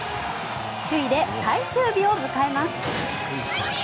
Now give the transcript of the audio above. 首位で最終日を迎えます。